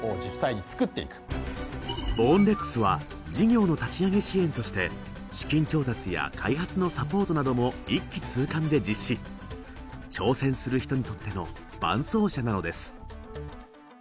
ボーンレックスは事業の立ち上げ支援として資金調達や開発のサポートなども一気通貫で実施挑戦する人にとっての伴走者なのです